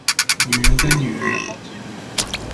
女人跟女人的好姐妹